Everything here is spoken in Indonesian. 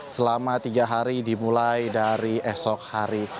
selama tiga hari dimulai dari esok hari